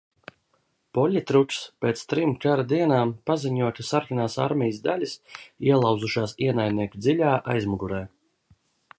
Poļitruks, pēc trim kara dienām, paziņo, ka sarkanās armijas daļas ielauzušās ienaidnieku dziļā aizmugurē.